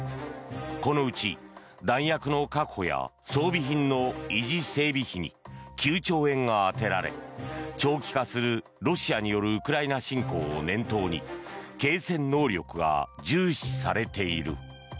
このうち、弾薬の確保や装備品の維持整備費に９兆円が充てられ長期化する、ロシアによるウクライナ侵攻を念頭に継戦能力が重視されている。